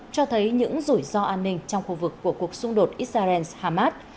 cho thấy những rủi ro an ninh trong khu vực của cuộc xung đột israel hamas